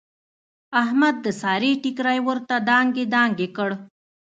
احمد د سارې ټیکری ورته دانګې دانګې کړ.